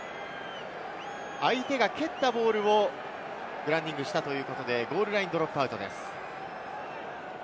相手が蹴ったボールをグラウンディングしたということでゴールラインドロップアウトです。